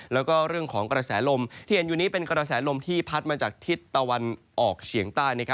แล้วก็เรื่องของกระแสลมที่เห็นอยู่นี้เป็นกระแสลมที่พัดมาจากทิศตะวันออกเฉียงใต้